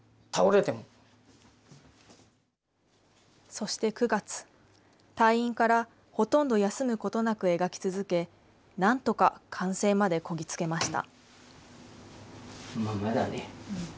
そして９月、退院からほとんど休むことなく描き続け、なんとか完成までこぎ着けました。